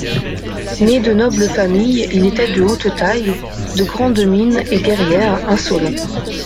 Né de noble famille, il était de haute taille, de grande mine et guerrière, insolent.